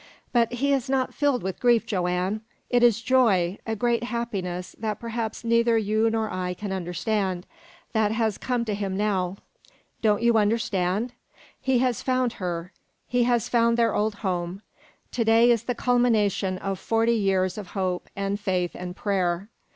But he is not filled with grief, Joanne. It is joy, a great happiness that perhaps neither you nor I can understand that has come to him now. Don't you understand? He has found her. He has found their old home. To day is the culmination of forty years of hope, and faith, and prayer.